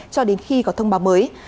cho đến khi có thông báo mới